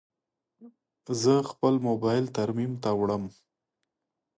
زه خپل موبایل ترمیم ته وړم.